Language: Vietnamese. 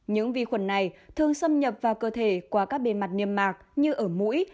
những vi khuẩn này thường xâm nhập vào cơ thể qua các bề mặt niêm mạc như ở mũi